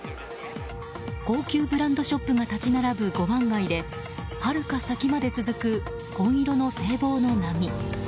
高級ブランドショップが立ち並ぶ５番街ではるか先まで続く紺色の制帽の波。